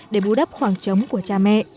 để bù đắp khoảng trống của cha mẹ